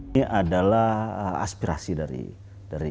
ini adalah aspirasi dari kader pan